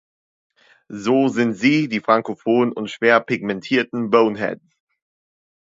So sind sie, die frankophonen und schwer pigmentierten "Boneheads".